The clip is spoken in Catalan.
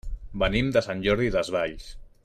Venim de Sant Jordi Desvalls.